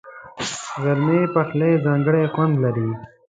د غرمې پخلی ځانګړی خوند لري